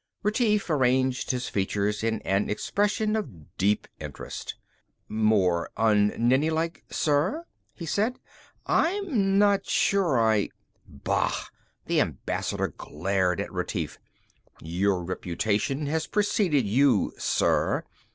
Retief arranged his features in an expression of deep interest. "More un Nenni like, sir?" he said. "I'm not sure I " "Bah!" The Ambassador glared at Retief, "Your reputation has preceded you, sir.